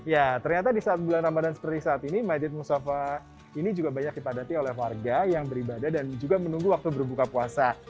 ya ternyata di saat bulan ramadhan seperti saat ini majid mustafa ini juga banyak dipadati oleh warga yang beribadah dan juga menunggu waktu berbuka puasa